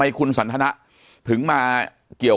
ปากกับภาคภูมิ